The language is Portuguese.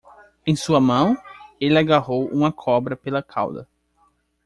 Em sua mão? ele agarrou uma cobra pela cauda.